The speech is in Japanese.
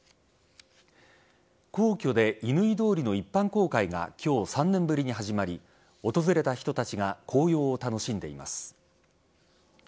皇居で乾通りの一般公開が今日、３年ぶりに始まり訪れた人たちが紅葉を楽しんでいます。